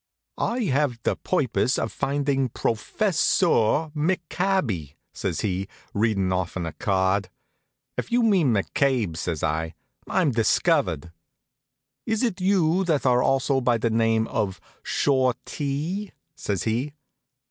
"I have the purpose of finding Prof fes seur McCabby," says he, reading it off'n a card. "If you mean McCabe," says I, "I'm discovered." "Is it you that are also by the name of Shortee?" says he.